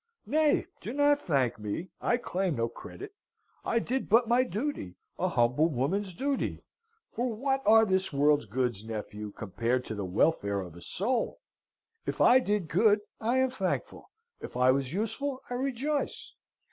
Nay, do not thank me; I claim no credit; I did but my duty a humble woman's duty for what are this world's goods, nephew, compared to the welfare of a soul? If I did good, I am thankful; if I was useful, I rejoice.